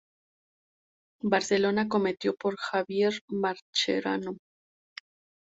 Barcelona cometido por Javier Mascherano.